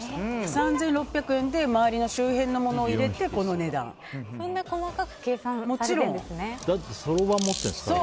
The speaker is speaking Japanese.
３６００円で周りの周辺のものを入れてそんな細かくそろばん持ってるんですから。